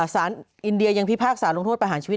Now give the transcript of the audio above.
สารอินเดียยังพิพากษาลงโทษประหารชีวิต